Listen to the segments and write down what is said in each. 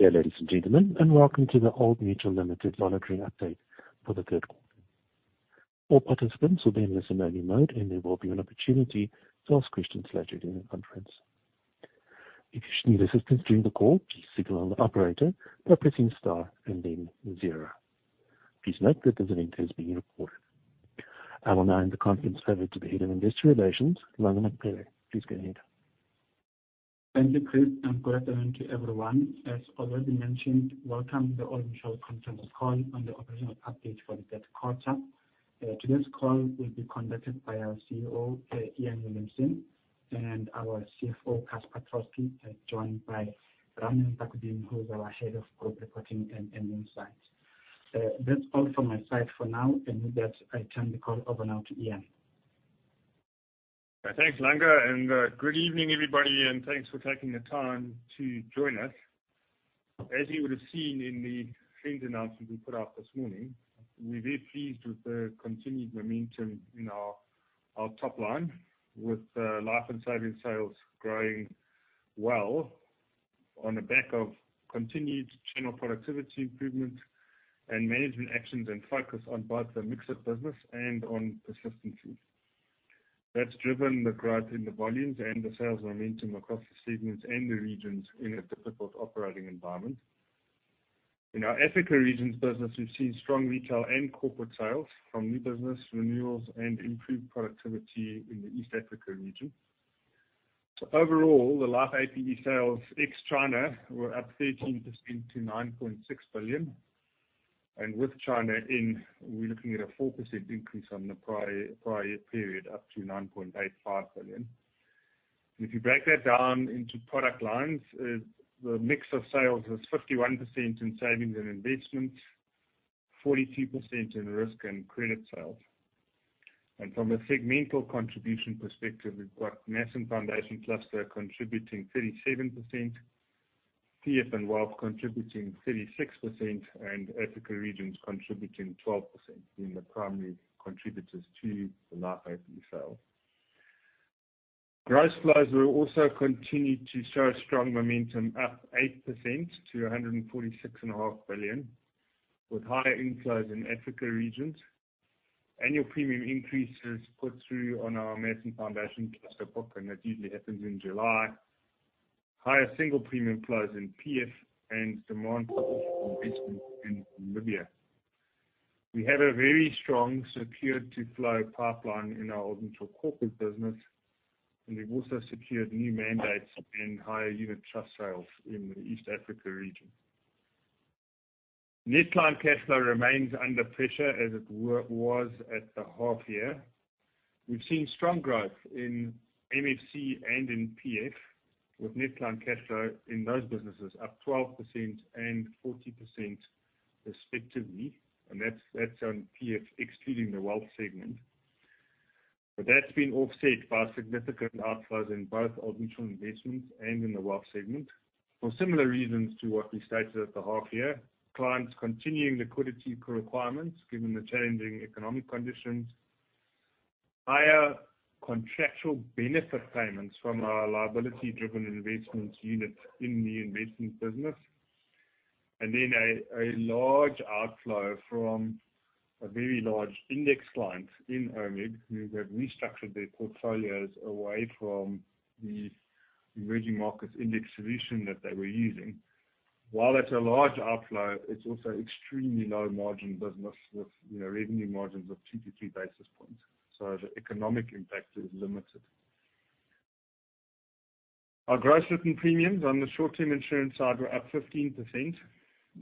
Dear ladies and gentlemen, and welcome to the Old Mutual Limited monitoring update for the third quarter. All participants will be in listen-only mode, and there will be an opportunity to ask questions later during the conference. If you should need assistance during the call, please signal on the operator by pressing star and then zero. Please note that this event is being recorded. I will now hand the conference over to the Head of investor relations, Langa Manqele. Please go ahead. Thank you, Chris, and good afternoon to everyone. As already mentioned, welcome to the Old Mutual conference call on the operational update for the third quarter. Today's call will be conducted by our CEO, Iain Williamson, and our CFO, Casper Troskie, joined by Ronen Sobel, who is our Head of Group Reporting and Insights. That's all from my side for now, and with that, I turn the call over now to Iain. Thanks, Langa, and good evening, everybody, and thanks for taking the time to join us. As you would have seen in the trends announcement we put out this morning, we're very pleased with the continued momentum in our top line, with life and savings sales growing well on the back of continued general productivity improvement and management actions and focus on both the mix of business and on persistency. That's driven the growth in the volumes and the sales momentum across the segments and the regions in a difficult operating environment. In our Africa regions business, we've seen strong retail and corporate sales from new business renewals and improved productivity in the East Africa region. Overall, the Life APE sales ex China were up 13% to 9.6 billion, and with China in, we're looking at a 4% increase on the prior year period, up to 9.85 billion. If you break that down into product lines, the mix of sales is 51% in savings and investments, 42% in risk and credit sales. And from a segmental contribution perspective, we've got Mass and Foundation Cluster contributing 37%, PF and Wealth contributing 36%, and Africa regions contributing 12%, being the primary contributors to the Life APE sale. Gross flows will also continue to show strong momentum, up 8% to 146.5 billion, with higher inflows in Africa regions. Annual premium increases put through on our Mass and Foundation Cluster book, and that usually happens in July. Higher single premium flows in PF and demand for investment in Nmibia. We have a very strong secured to flow pipeline in our Old Mutual Corporate business, and we've also secured new mandates and higher unit trust sales in the East Africa region. Net client cashflow remains under pressure as it was at the half year. We've seen strong growth in MFC and in PF, with net client cashflow in those businesses up 12% and 40% respectively, and that's, that's on PF, excluding the wealth segment. But that's been offset by significant outflows in both Old Mutual Investments and in the wealth segment. For similar reasons to what we stated at the half year, clients continuing liquidity requirements, given the challenging economic conditions, higher contractual benefit payments from our liability-driven investment unit in the investment business, and then a large outflow from a very large index client in OMIG, who have restructured their portfolios away from the emerging markets index solution that they were using. While that's a large outflow, it's also extremely low margin business with, you know, revenue margins of two-three basis points, so the economic impact is limited. Our gross written premiums on the short-term insurance side were up 15%.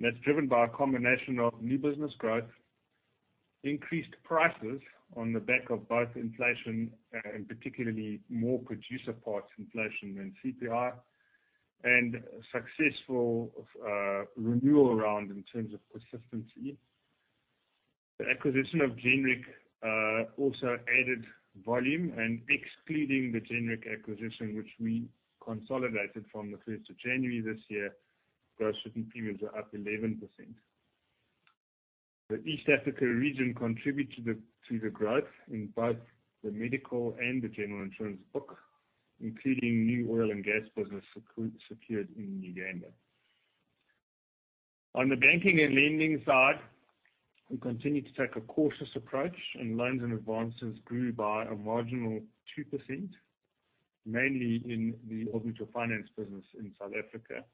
That's driven by a combination of new business growth, increased prices on the back of both inflation, and particularly more producer parts inflation than CPI, and successful renewal around in terms of persistency. The acquisition of Genric also added volume, and excluding the Genric acquisition, which we consolidated from the first of January this year, gross written premiums are up 11%. The East Africa region contributed to the growth in both the medical and the general insurance book, including new oil and gas business secured in Uganda. On the banking and lending side, we continue to take a cautious approach, and loans and advances grew by a marginal 2%, mainly in the Old Mutual Finance business in South Africa.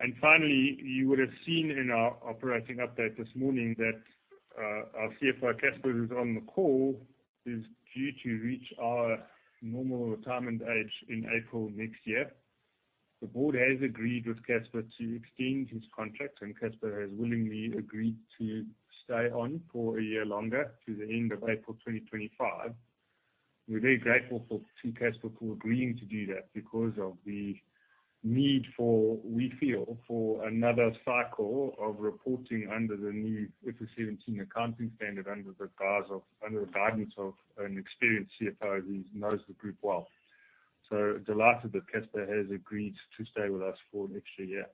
And finally, you would have seen in our operating update this morning that our CFO, Casper, who's on the call, is due to reach our normal retirement age in April next year. The board has agreed with Casper to extend his contract, and Casper has willingly agreed to stay on for a year longer, to the end of April 2025. We're very grateful to Casper for agreeing to do that, because of the need, we feel, for another cycle of reporting under the new IFRS 17 accounting standard, under the guidance of an experienced CFO who knows the group well. So delighted that Casper has agreed to stay with us for an extra year.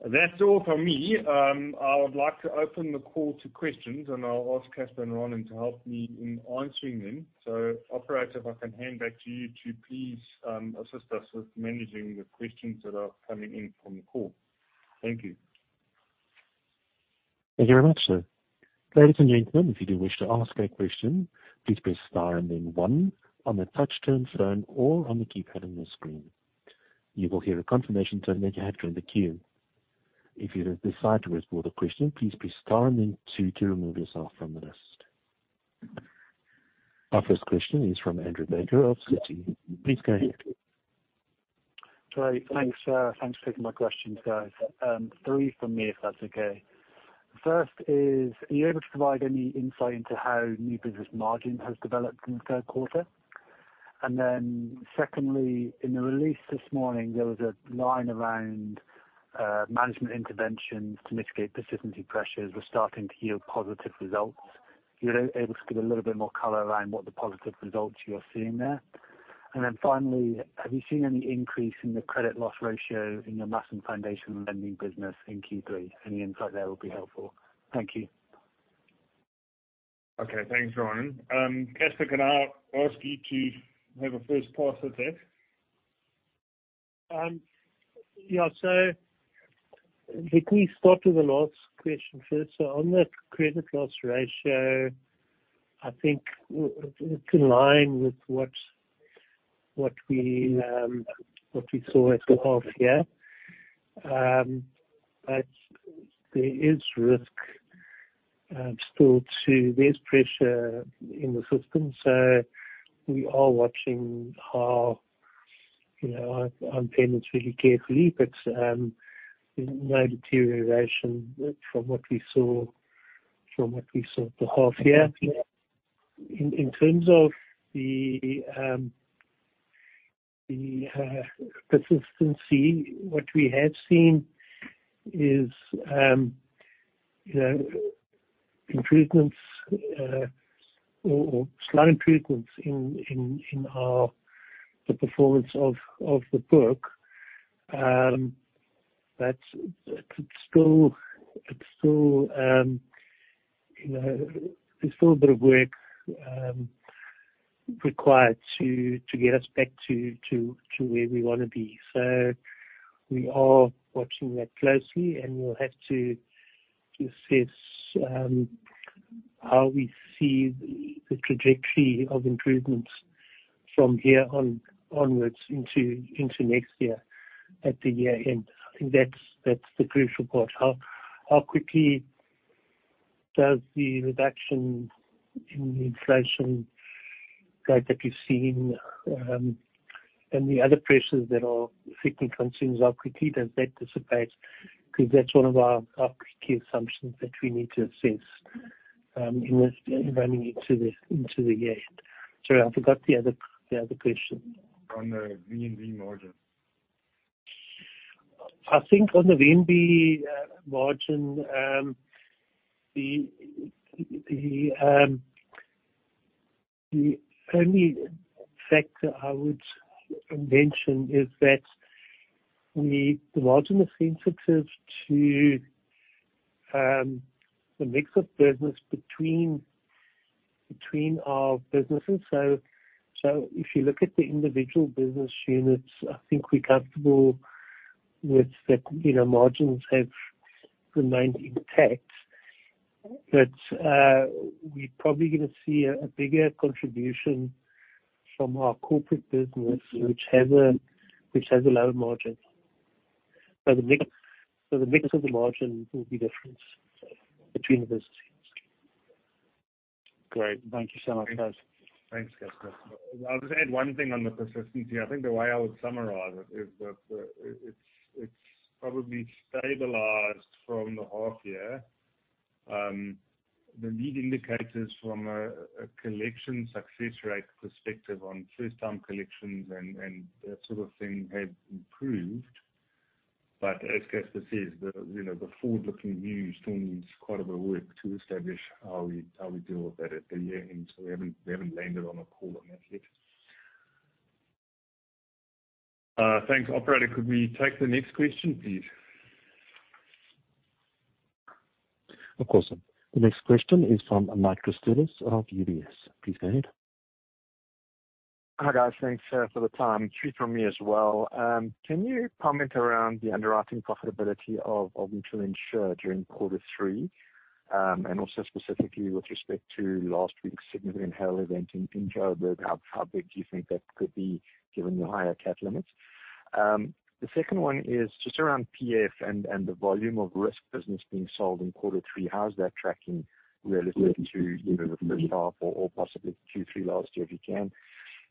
That's all from me. I would like to open the call to questions, and I'll ask Casper and Ronen to help me in answering them. So Operator, if I can hand back to you to please, assist us with managing the questions that are coming in from the call. Thank you. Thank you very much, sir. Ladies and gentlemen, if you do wish to ask a question, please press star and then one on the touchtone phone or on the keypad on your screen. You will hear a confirmation tone that you have joined the queue. If you decide to withdraw the question, please press star and then two to remove yourself from the list. Our first question is from Andrew Baker of Citi. Please go ahead. Great. Thanks, sir. Thanks for taking my questions, guys. Three from me, if that's okay. First is, are you able to provide any insight into how new business margin has developed in the third quarter? And then secondly, in the release this morning, there was a line around, management interventions to mitigate persistency pressures were starting to yield positive results. You able to give a little bit more color around what the positive results you're seeing there? And then finally, have you seen any increase in the credit loss ratio in your Mass & Foundation lending business in Q3? Any insight there will be helpful. Thank you. Okay, thanks, Ronen. Casper, can I ask you to have a first pass at that? Yeah. So let me start with the last question first. So on that credit loss ratio, I think it's in line with what we saw at the half year. But there is risk still, there's pressure in the system, so we are watching how, you know, our payments really carefully. But no deterioration from what we saw at the half year. In terms of the persistency, what we have seen is, you know, improvements or slight improvements in the performance of the book. But it's still, it's still, you know, there's still a bit of work required to get us back to where we want to be. So we are watching that closely, and we'll have to assess how we see the trajectory of improvements from here onwards into next year, at the year end. I think that's the crucial part. How quickly does the reduction in the inflation rate that we've seen and the other pressures that are affecting consumers dissipate? Because that's one of our key assumptions that we need to assess in this running into the year end. Sorry, I forgot the other question. On the VNB margin. I think on the VNB margin, the only factor I would mention is that we, the margin is sensitive to the mix of business between our businesses. So if you look at the individual business units, I think we're comfortable with that, you know, margins have remained intact. But we're probably gonna see a bigger contribution from our corporate business, which has a lower margin. So the mix of the margin will be different between the businesses. Great. Thank you so much, guys. Thanks, Casper. I'll just add one thing on the persistency. I think the way I would summarize it is that, it's, it's probably stabilized from the half year. The lead indicators from a, a collection success rate perspective on first-time collections and, and that sort of thing have improved. But as Casper says, the, you know, the forward-looking view still needs quite a bit of work to establish how we, how we deal with that at the year end. So we haven't, we haven't landed on a call on that yet. Thanks. Operator, could we take the next question, please? Of course, sir. The next question is from Michael Christelis of UBS. Please go ahead. Hi, guys. Thanks for the time. Three from me as well. Can you comment around the underwriting profitability of Old Mutual Insure during quarter three? And also specifically with respect to last week's significant hail event in Johannesburg, how big do you think that could be given the higher cap limits? The second one is just around PF and the volume of risk business being sold in quarter three. How is that tracking relative to, you know, the first half or possibly Q3 last year, if you can?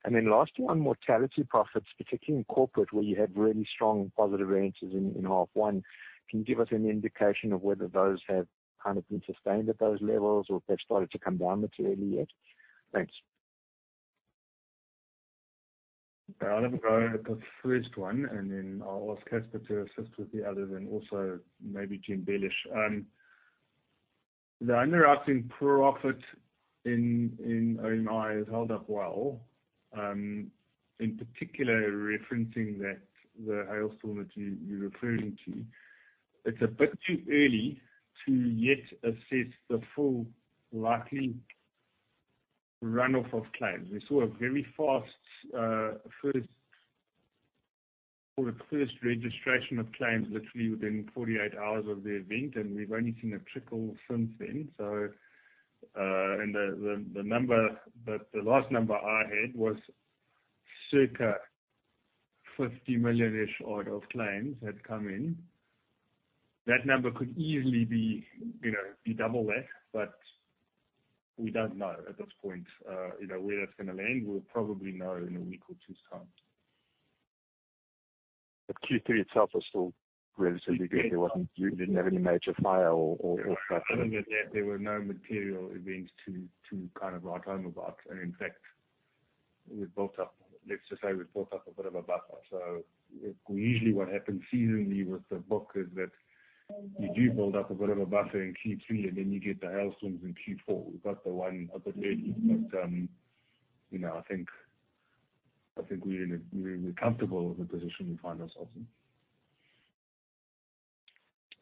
And then last one, mortality profits, particularly in corporate, where you had really strong positive variances in half one. Can you give us any indication of whether those have kind of been sustained at those levels, or if they've started to come down materially yet? Thanks. I'll have a go at the first one, and then I'll ask Casper to assist with the others, and also maybe to embellish. The underwriting profit in OMI has held up well. In particular, referencing that the hailstorm that you're referring to, it's a bit too early to yet assess the full likely runoff of claims. We saw a very fast first registration of claims literally within 48 hours of the event, and we've only seen a trickle since then. So, and the number, but the last number I had was circa 50 million-ish odd of claims had come in. That number could easily be, you know, be double that, but we don't know at this point, you know, where that's gonna land. We'll probably know in a week or two's time. Q3 itself was still relatively good. There wasn't, you didn't have any major fire or, or There were no material events to kind of write home about. And in fact, we built up... Let's just say, we built up a bit of a buffer. So usually, what happens seasonally with the book is that you do build up a bit of a buffer in Q3, and then you get the hailstorms in Q4. We got the one a bit early, but, you know, I think we're in a, we're comfortable with the position we find ourselves in.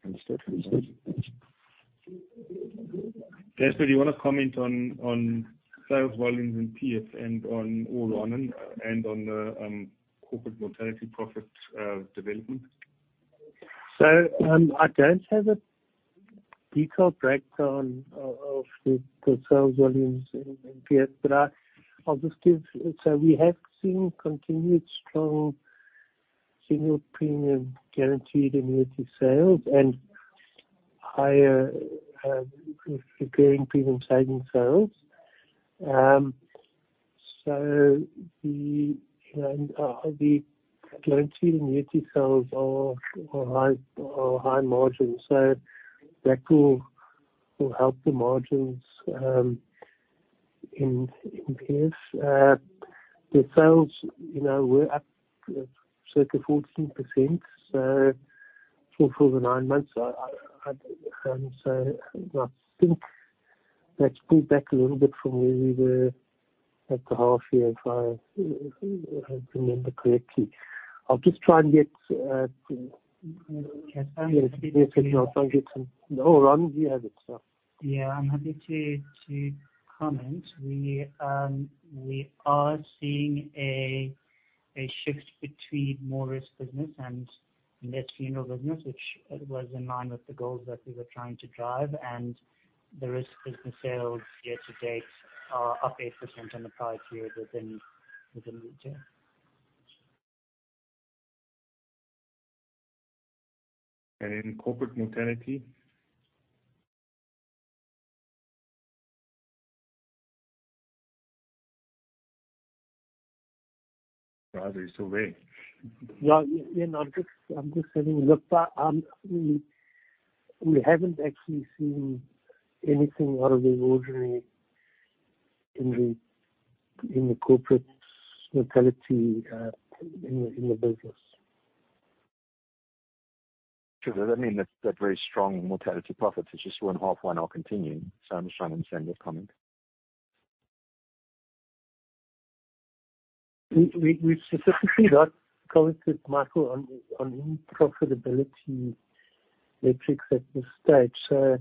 Understood. Thank you. Casper, do you wanna comment on sales volumes in PF and on the corporate mortality profit development? So, I don't have a detailed breakdown of the sales volumes in PF, but I'll just give-- So we have seen continued strong single premium guaranteed annuity sales and higher recurring premium saving sales. So the guaranteed annuity sales are high margin, so that will help the margins in PF. The sales, you know, were up circa 14%, so for the nine months. I think that's pulled back a little bit from where we were at the half year, if I remember correctly. I'll just try and get some... Oh, Ron, do you have it, so- Yeah, I'm happy to comment. We are seeing a shift between more risk business and less funeral business, which was in line with the goals that we were trying to drive. The risk business sales year to date are up 8% on the prior year within retail. In corporate mortality? Are you still there? Yeah, yeah, I'm just having a look. But we haven't actually seen anything out of the ordinary in the corporate mortality in the business. Sure. Does that mean that very strong mortality profits that you saw in half one are continuing? So I'm just trying to understand your comment. We specifically not commented, Michael, on profitability metrics at this stage. So,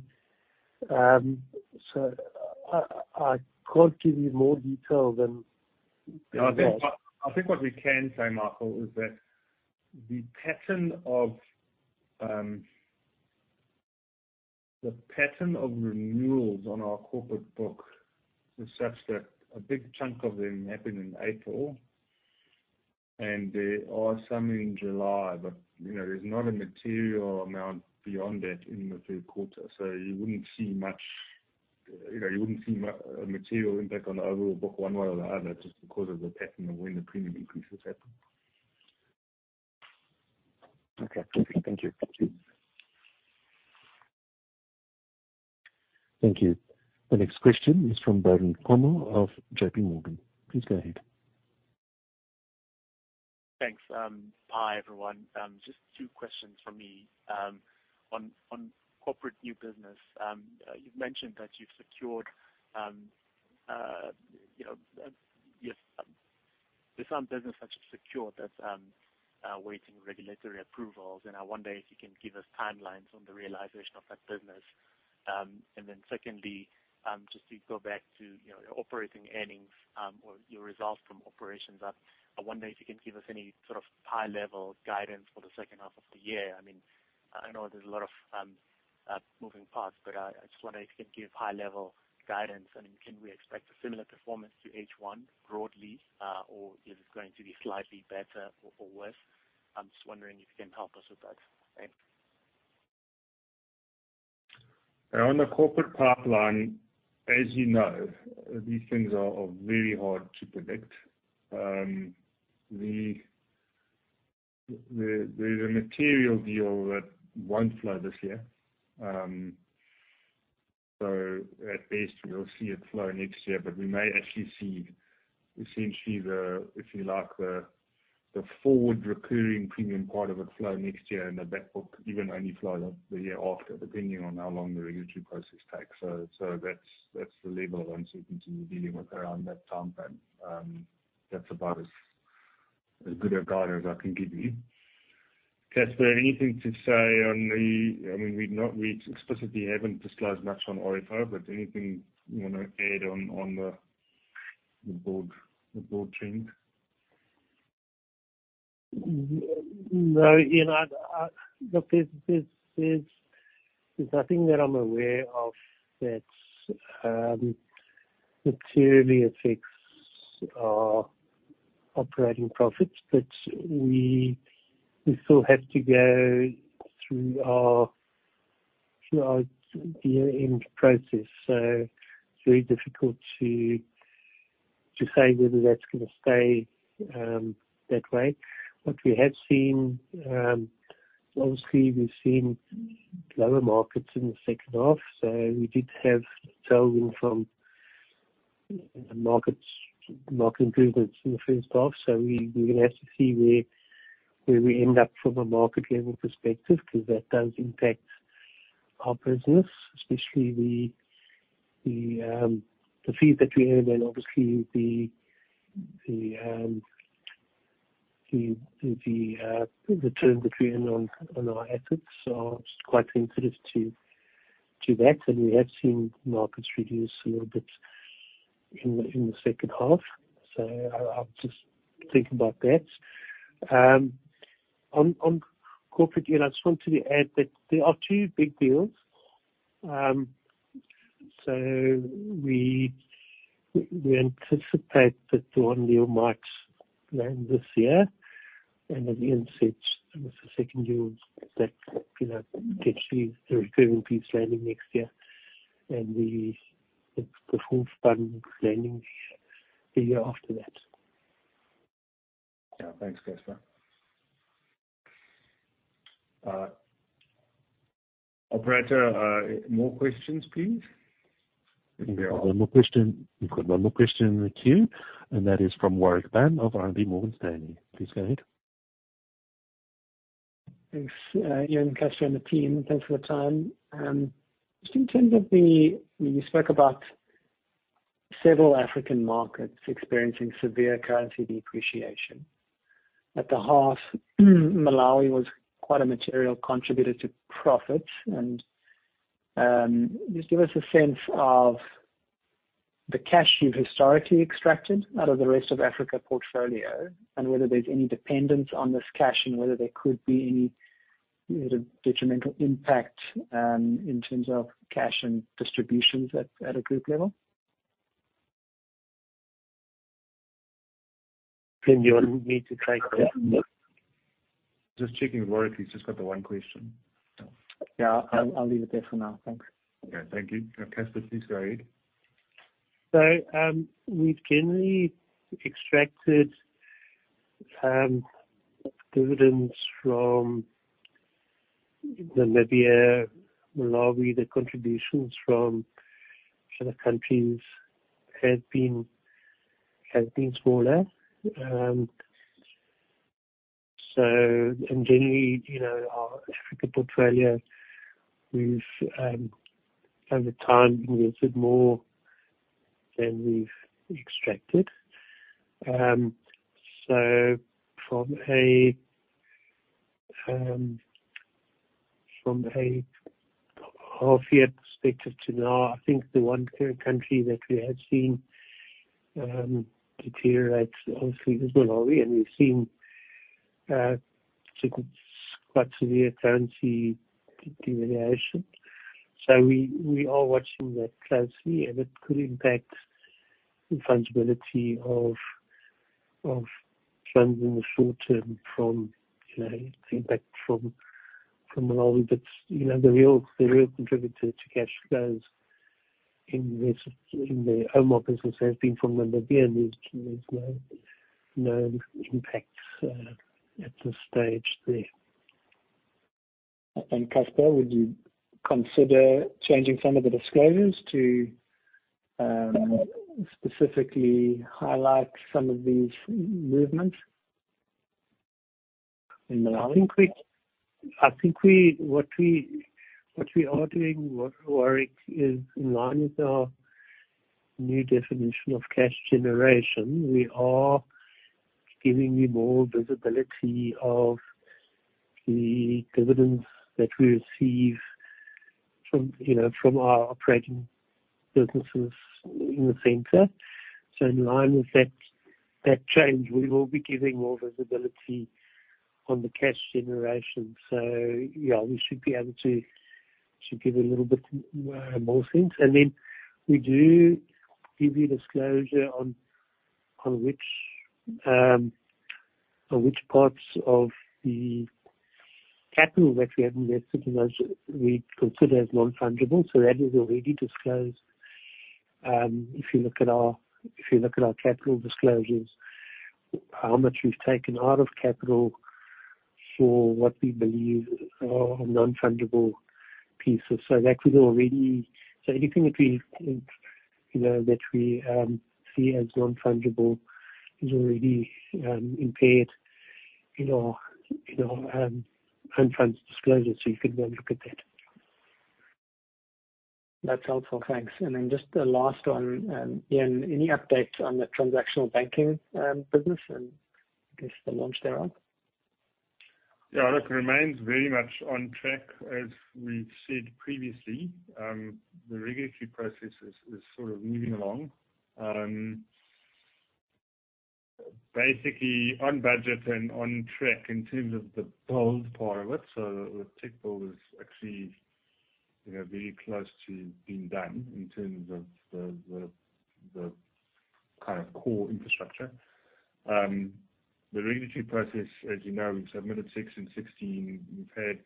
I can't give you more detail than that. I think, I think what we can say, Michael, is that the pattern of the pattern of renewals on our corporate book is such that a big chunk of them happened in April, and there are some in July. But, you know, there's not a material amount beyond that in the third quarter. So you wouldn't see much, you know, you wouldn't see a material impact on the overall book one way or the other, just because of the pattern of when the premium increases happen. Okay. Thank you. Thank you. Thank you. The next question is from Byron Lotter of JPMorgan. Please go ahead. Thanks. Hi, everyone. Just two questions from me. On, on corporate new business, you've mentioned that you've secured, you know, there's some business that you've secured that, are waiting regulatory approvals. And I wonder if you can give us timelines on the realization of that business. And then secondly, just to go back to, you know, your operating earnings, or your results from operations. I, I wonder if you can give us any sort of high-level guidance for the second half of the year. I mean, I know there's a lot of, moving parts, but I, I just wonder if you can give high-level guidance, and can we expect a similar performance to H1 broadly, or is it going to be slightly better or, or worse? I'm just wondering if you can help us with that. Thanks. On the corporate pipeline, as you know, these things are very hard to predict. There's a material deal that won't flow this year. So at best, we'll see it flow next year, but we may actually see essentially, if you like, the forward recurring premium part of it flow next year, and the back book even only flow the year after, depending on how long the regulatory process takes. So that's the level of uncertainty we're dealing with around that timeframe. That's about as good a guide as I can give you. Casper, anything to say on the? I mean, we've not, we explicitly haven't disclosed much on RFO, but anything you wanna add on the broad trend? No, Iain, I look, there's nothing that I'm aware of that materially affects our operating profits, but we still have to go through our year-end process. So it's very difficult to say whether that's gonna stay that way. What we have seen, obviously we've seen lower markets in the second half, so we did have tailwind from markets, market improvements in the first half. So we're gonna have to see where we end up from a market level perspective, 'cause that does impact our business, especially the fees that we earn and obviously the terms that we earn on our assets are quite sensitive to that. And we have seen markets reduce a little bit in the second half. So, I'll just think about that. On Corporate, and I just want to add that there are two big deals. So we anticipate that one deal might land this year, and at the end set with the second deal that, you know, potentially the recurring piece landing next year and the full burden landing the year after that. Yeah. Thanks, Casper. Operator, more questions, please. One more question. We've got one more question in the queue, and that is from Warwick Bam of RMB Morgan Stanley. Please go ahead. Thanks, Iain, Casper, and the team. Thanks for the time. Just in terms of the... You spoke about several African markets experiencing severe currency depreciation. At the half, Malawi was quite a material contributor to profits and just give us a sense of the cash you've historically extracted out of the rest of Africa portfolio and whether there's any dependence on this cash, and whether there could be any detrimental impact in terms of cash and distributions at a group level. Iain, you want me to try that? Just checking, Warwick, if he's just got the one question. Yeah, I'll leave it there for now. Thanks. Okay, thank you. Casper, please go ahead. So, we've generally extracted dividends from Namibia, Malawi. The contributions from other countries have been smaller. So and generally, you know, our Africa portfolio, we've over time, invested more than we've extracted. So from a half year perspective to now, I think the one clear country that we have seen deteriorate, obviously, is Malawi, and we've seen quite severe currency devaluation. So we are watching that closely, and it could impact the fundability of trends in the short term from, you know, the impact from Malawi. But, you know, the real contributor to cash flows in this, in the home office has been from Namibia, and there's no impacts at this stage. Casper, would you consider changing some of the disclosures to specifically highlight some of these movements in Malawi? I think what we are doing, Warrick, is in line with our new definition of cash generation. We are giving you more visibility of the dividends that we receive from, you know, from our operating businesses in the center. So in line with that change, we will be giving more visibility on the cash generation. So, yeah, we should be able to give you a little bit more sense. And then we do give you disclosure on which parts of the capital that we have invested in those we consider as non-fundable. So that is already disclosed, if you look at our capital disclosures... how much we've taken out of capital for what we believe are non-fundable pieces. So that was already so anything that we, you know, that we see as non-fundable is already impaired, you know, you know, in front disclosures, so you could go and look at that. That's helpful. Thanks. And then just the last one, Iain, any updates on the transactional banking business, and I guess the launch thereof? Yeah, look, it remains very much on track, as we've said previously. The regulatory process is sort of moving along. Basically on budget and on track in terms of the build part of it. So the tech build is actually, you know, very close to being done in terms of the kind of core infrastructure. The regulatory process, as you know, we've submitted Section 6 and Section 16. We've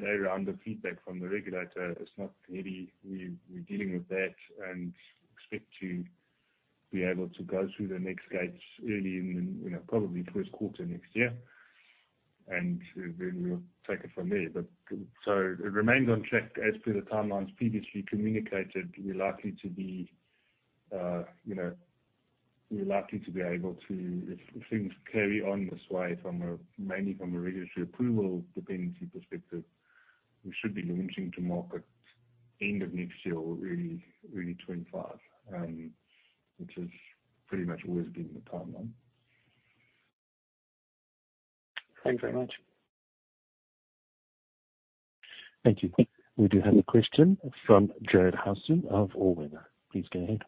had a round of feedback from the regulator. It's not heavy. We're dealing with that and expect to be able to go through the next gates early in, you know, probably first quarter next year. And then we'll take it from there. But so it remains on track as per the timelines previously communicated. We're likely to be, you know, we're likely to be able to, if things carry on this way mainly from a regulatory approval dependency perspective, we should be launching to market end of next year or early 2025, which is pretty much always been the timeline. Thanks very much. Thank you. We do have a question from Jarred Hudson of All Weather. Please go ahead.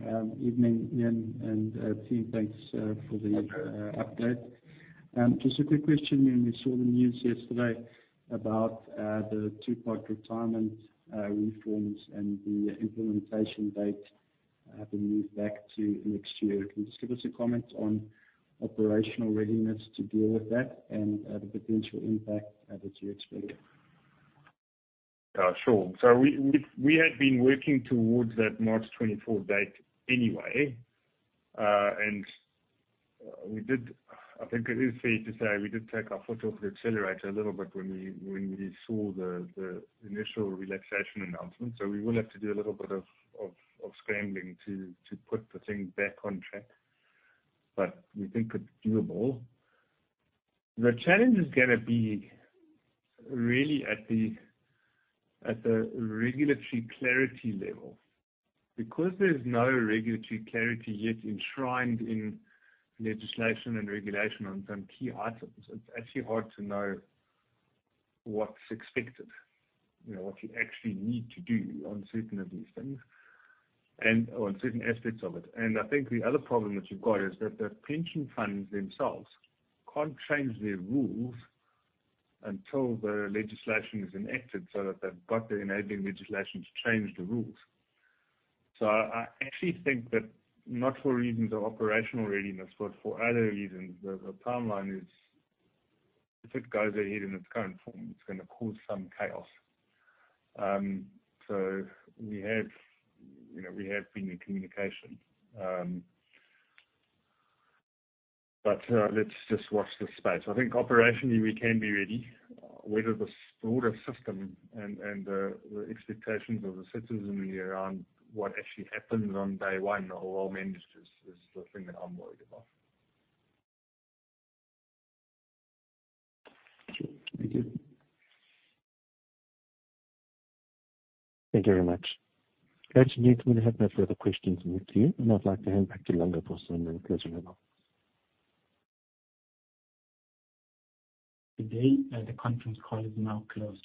Evening, Iain and team. Thanks for the update. Just a quick question, Iain. We saw the news yesterday about the Two-Pot retirement reforms and the implementation date have been moved back to next year. Can you just give us a comment on operational readiness to deal with that and the potential impact that you expect? Sure. So we had been working towards that March 2024 date anyway. And we did - I think it is fair to say, we did take our foot off the accelerator a little bit when we saw the initial relaxation announcement. So we will have to do a little bit of scrambling to put the thing back on track. But we think it's doable. The challenge is gonna be really at the regulatory clarity level. Because there's no regulatory clarity yet enshrined in legislation and regulation on some key items, it's actually hard to know what's expected, you know, what you actually need to do on certain of these things and, or on certain aspects of it. And I think the other problem that you've got is that the pension funds themselves can't change their rules until the legislation is enacted, so that they've got the enabling legislation to change the rules. So I actually think that not for reasons of operational readiness, but for other reasons, the timeline, if it goes ahead in its current form, it's gonna cause some chaos. So we have, you know, we have been in communication. But let's just watch this space. I think operationally we can be ready. Whether the broader system and the expectations of the citizenry around what actually happens on day one are well managed is the thing that I'm worried about. Thank you. Thank you very much. Ladies and gentlemen, we have no further questions to you, and I'd like to hand back to Langa for some closing remarks. Today, the conference call is now closed.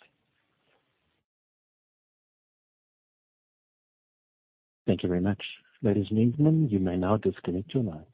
Thank you very much. Ladies and gentlemen, you may now disconnect your lines.